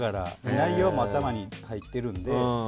内容は頭に入っているので。